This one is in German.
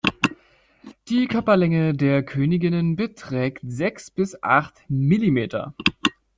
Die Körperlänge der Königinnen beträgt sechs bis acht Millimeter.